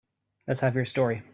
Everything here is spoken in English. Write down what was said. Let's have your story.